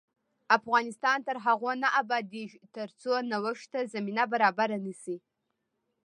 افغانستان تر هغو نه ابادیږي، ترڅو نوښت ته زمینه برابره نشي.